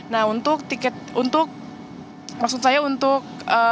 nah untuk tiket untuk maksud saya untuk